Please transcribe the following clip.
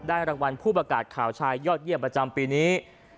รางวัลผู้ประกาศข่าวชายยอดเยี่ยมประจำปีนี้